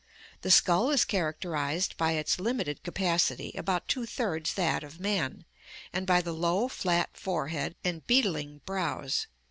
The skull is characterized by its limited capacity, about two thirds that of man ; and by the low flat forehead and beetling brows.